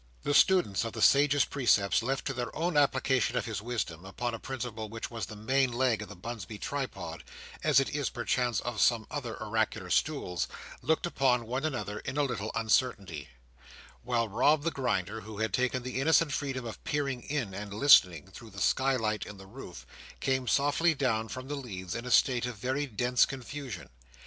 The students of the sage's precepts, left to their own application of his wisdom—upon a principle which was the main leg of the Bunsby tripod, as it is perchance of some other oracular stools—looked upon one another in a little uncertainty; while Rob the Grinder, who had taken the innocent freedom of peering in, and listening, through the skylight in the roof, came softly down from the leads, in a state of very dense confusion.